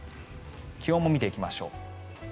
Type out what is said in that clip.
気温も見ていきましょう。